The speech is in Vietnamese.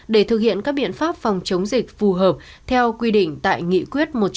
để thực hiện các biện pháp phòng chống dịch phù hợp theo quy định tại nghị quyết một trăm hai mươi tám của chính phủ